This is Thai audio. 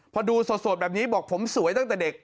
พอดูสดแบบนี้บอกผมสวยตั้งแต่เด็ก